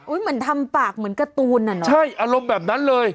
เหมือนทำปากเหมือนการ์ตูนอ่ะเนอะใช่อารมณ์แบบนั้นเลย